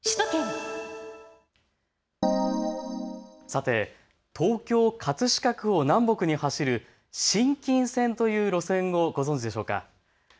さて東京葛飾区を南北に走る新金線という路線をご存じでしょうか。